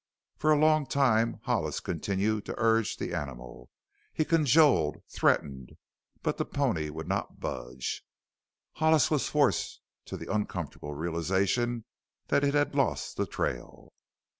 For a long time Hollis continued to urge the animal he cajoled, threatened but the pony would not budge. Hollis was forced to the uncomfortable realization that it had lost the trail.